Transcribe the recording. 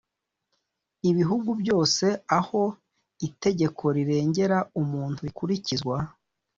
Ibihugu byose aho itegeko rirengera umuntu rikurikizwa